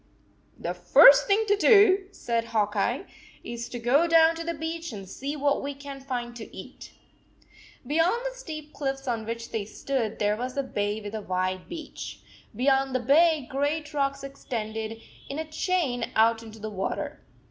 "The first thing to do," said Hawk Eye, "is to go down to the beach and see what we can find to eat." Beyond the steep cliffs on which they stood there was a bay with a wide beach. Beyond the bay great rocks extended in a chain out into the water.